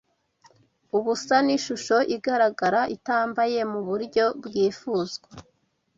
ubusa n'ishusho igaragara itambaye muburyo bwifuzwa